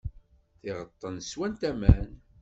Tiɣeṭṭen swant aman.